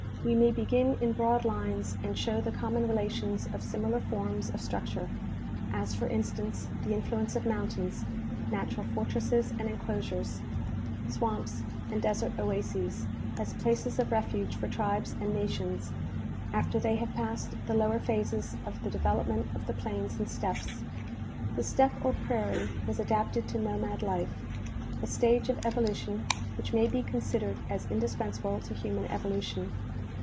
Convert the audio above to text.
We may begin in broad lines and show the common relations of similar forms of struc ture, as for instance, the influence of mountains, natural for tresses and enclosures, swamps, and desert oases, as places of refuge for tribes and nations after they have passed the lower phases of the development of the plains and steppes. The steppe or prairie was adapted to nomad life, a stage of evolution which may be considered as indispensable to human evolution.